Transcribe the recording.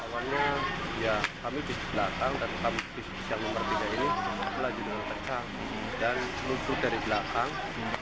bus yang nomor tiga ini berlaju dengan kecang dan lutut dari belakang